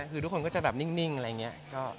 คือทุกคนก็จะแบบนิ่งอะไรอย่างนี้